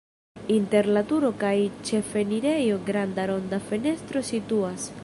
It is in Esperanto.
Inter la turo kaj ĉefenirejo granda ronda fenestro situas.